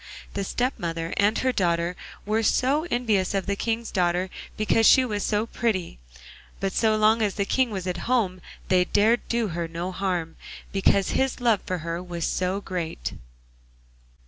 The stepmother and her daughter were envious of the King's daughter because she was so pretty, but so long as the King was at home they dared do her no harm, because his love for her was so great.